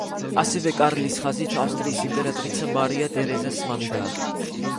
ასევე კარლის ხაზით, ავსტრიის იმპერატრიცა მარია ტერეზიას მამიდა.